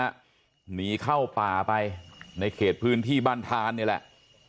หนีเข้าป่าไปในเขตพื้นที่บ้านทานนี่แหละ